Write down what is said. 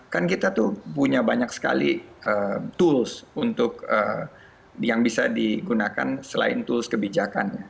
kan kita tuh punya banyak sekali tools untuk yang bisa digunakan selain tools kebijakannya